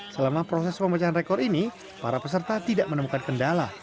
selama proses pemecahan rekor ini para peserta tidak menemukan kendala